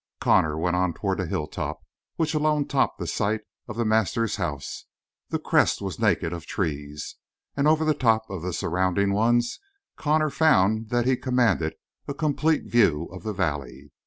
Connor went on toward a hilltop which alone topped the site of the master's house; the crest was naked of trees, and over the tops of the surrounding ones Connor found that he commanded a complete view of the valley.